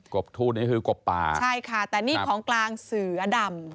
บททูตนี่คือกบป่าใช่ค่ะแต่นี่ของกลางเสือดำ